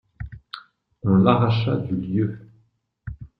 On l'arracha du lieu.